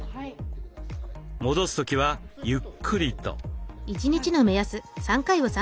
戻す時はゆっくりと。